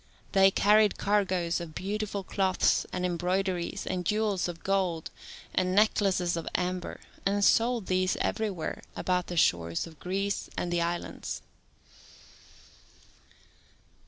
They carried cargoes of beautiful cloths, and embroideries, and jewels of gold, and necklaces of amber, and sold these everywhere about the shores of Greece and the islands.